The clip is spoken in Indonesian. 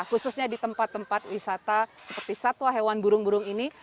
khususnya di tempat tempat wisata seperti satwa hewan burung burung ini